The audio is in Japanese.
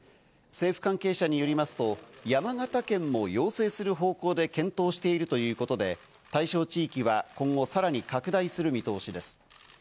政府関係者によりますと、山形県も要請する方向で検討しているということで、対象地域は今後さらに拡大する見通しです。